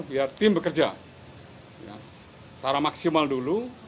biar tim bekerja secara maksimal dulu